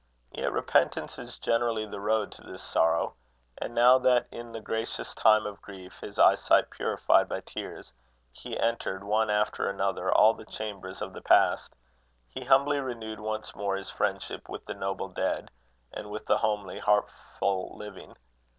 Yet repentance is generally the road to this sorrow. And now that in the gracious time of grief, his eyesight purified by tears, he entered one after another all the chambers of the past, he humbly renewed once more his friendship with the noble dead, and with the homely, heartful living.